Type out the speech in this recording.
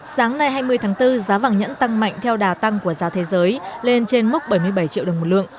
sáng nay hai mươi tháng bốn giá vàng nhẫn tăng mạnh theo đà tăng của giá thế giới lên trên mốc bảy mươi bảy triệu đồng một lượng